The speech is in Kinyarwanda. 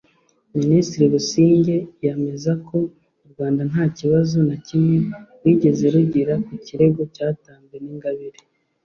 Minisitiri Busingye yameza ko u Rwanda nta kibazo na kimwe rwigeze rugira ku kirego cyatanzwe na Ingabire